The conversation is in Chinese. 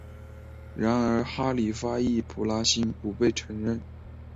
然而哈里发易卜拉欣不被承认。